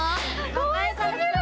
かわいすぎる。